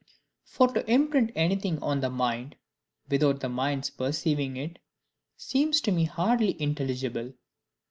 For to imprint anything on the mind without the mind's perceiving it, seems to me hardly intelligible.